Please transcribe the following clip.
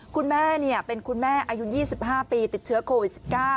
คุณแม่เป็นคุณแม่อายุ๒๕ปีติดเชื้อโควิด๑๙